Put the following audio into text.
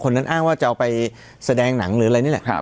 นั้นอ้างว่าจะเอาไปแสดงหนังหรืออะไรนี่แหละ